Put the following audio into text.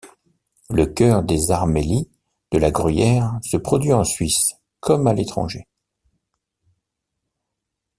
Le Chœur des armaillis de la Gruyère se produit en Suisse comme à l'étranger.